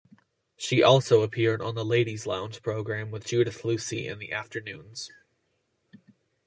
She also appeared on the "Ladies Lounge" program with Judith Lucy in the afternoons.